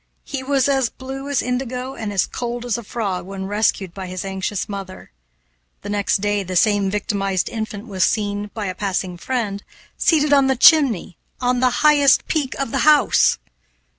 He was as blue as indigo and as cold as a frog when rescued by his anxious mother. The next day the same victimized infant was seen, by a passing friend, seated on the chimney, on the highest peak of the house.